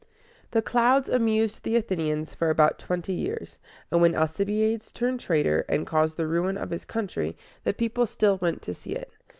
"The Clouds" amused the Athenians for about twenty years; and when Alcibiades turned traitor, and caused the ruin of his country, the people still went to see it.